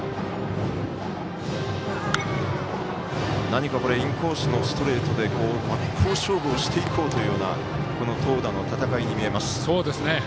何かインコースのストレートで真っ向勝負をしていこうというような投打の戦いに見えます。